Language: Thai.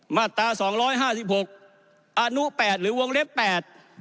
มาตราสองร้อยห้าสิบหกอนุแปดหรือวงเล็บแปด